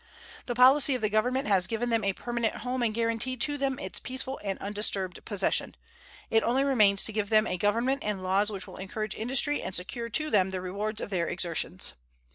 The policy of the Government has given them a permanent home and guaranteed to them its peaceful and undisturbed possession. It only remains to give them a government and laws which will encourage industry and secure to them the rewards of their exertions.